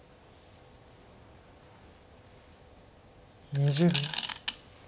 ２０秒。